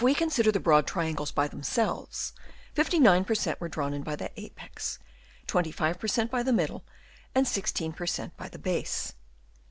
89 consider the broad triangles by themselves, 59 per cent, were drawn in by the apex, 25 per cent, by the middle, and 16 per cent, by the base.